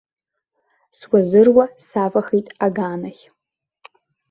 Суазыруа савахеит аганахь.